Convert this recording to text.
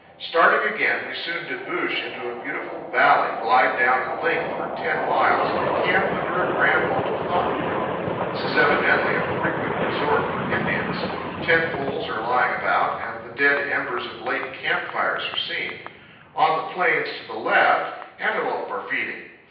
Starting again, we soon debouch into a beautiful valley, glide down its length for 10 miles, and camp under a grand FROM ECHO PARK TO THE MOUTH OF UINTA RIVER. 181 old cottonwood. This is evidently a frequent resort for Indians. Tent poles are lying about, and the dead embers of late camp fires are seen. On the plains to the left, antelope are feeding.